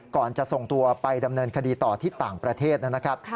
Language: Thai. ก่อนจะส่งตัวไปดำเนินคดีต่อที่ต่างประเทศนะครับ